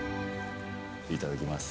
いただきます。